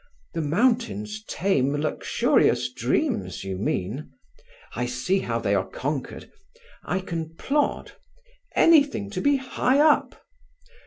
"The mountains tame luxurious dreams, you mean. I see how they are conquered. I can plod. Anything to be high up!"